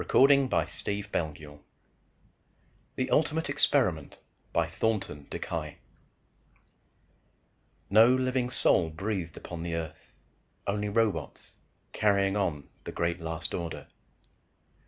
pgdp.net THE ULTIMATE EXPERIMENT by THORNTON DeKY _No living soul breathed upon the earth. Only robots, carrying on the last great order.